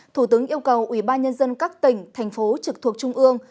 thủ tướng yêu cầu ủy ban nhân dân các tỉnh thành phố trực thuộc trung ương